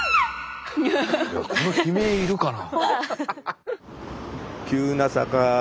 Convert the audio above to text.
いやこの悲鳴いるかな？